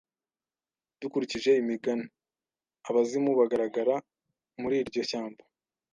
Dukurikije imigani, abazimu bagaragara muri iryo shyamba,